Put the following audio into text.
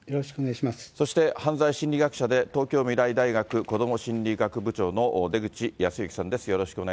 そして犯罪心理学者で、東京未来大学こども心理学部長の出口保行さんです。